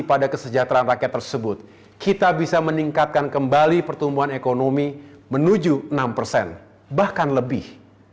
pada kesejahteraan rakyat tersebut kita bisa meningkatkan kembali pertumbuhan ekonomi menuju enam persen bahkan lebih